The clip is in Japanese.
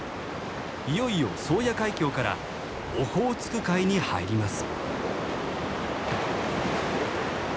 いよいよ宗谷海峡からオホーツク海に入ります。